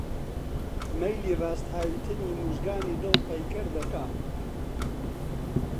مەیلی ڕاست هاوێتنی موژگانی دڵ پەیکەر دەکا؟!